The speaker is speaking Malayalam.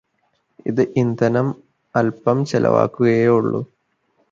അത് ഇന്ധനം അല്പം ചിലവാക്കുകയെ ഉള്ളു